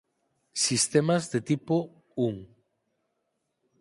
Sistemas de tipo I.